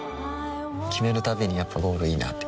決めるたびにやっぱゴールいいなってふん